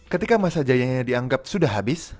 ketika masa jayanya dianggap sudah habis